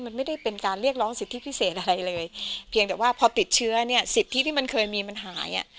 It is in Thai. มันไม่ได้เป็นการเรียกร้องสิทธิพิเศษอะไรเลยเพียงแต่ว่าพอติดเชื้อเนี่ยสิทธิที่มันเคยมีมันหายอ่ะ